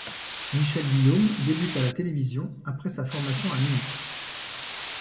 Michel Guillaume débute à la télévision, après sa formation à Munich.